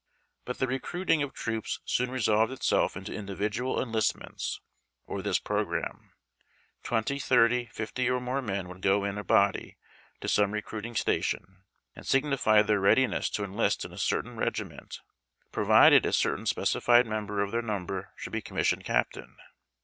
But the recruiting of troops soon resolved itself into individual enlistments or this pro gramme ;— twenty, thirty, fifty or more men would go in a body to some recruiting station, and signify their readiness to enlist in a certain regiment provided a certain specified member of their number should be commissioned captain.